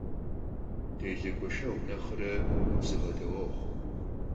Dêle gueşşeğu nexhre gubzığe daueğu.